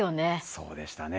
そうでしたね。